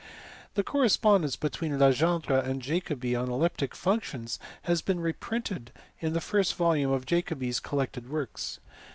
The correspondence between Legendre and Jacobi on elliptic func tions has been reprinted in the first volume of Jacobi s collected works.